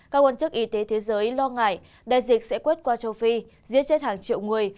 các quan chức y tế thế giới lo ngại đại dịch sẽ quét qua châu phi giết chết hàng triệu người